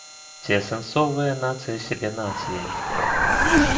Ці асэнсоўвае нацыя сябе нацыяй?